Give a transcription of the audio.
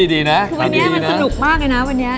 คือวันนี้มันสนุกมากเลยนะวันนี้